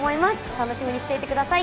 楽しみにしていてください。